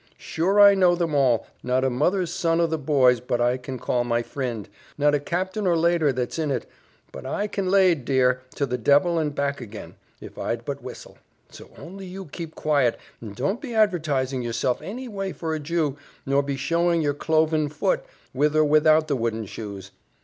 Sure I know them all not a mother's son o' the boys but I can call my frind not a captain or lader that's in it, but I can lade, dear, to the devil and back again, if I'd but whistle: so only you keep quite, and don't be advertising yourself any way for a Jew, nor be showing your cloven fut, with or without the wooden shoes.